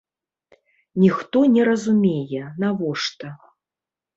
Ніхто не разумее, навошта.